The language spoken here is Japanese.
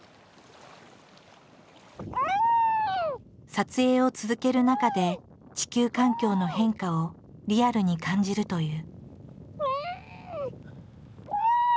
撮影を続ける中で地球環境の変化をリアルに感じるという。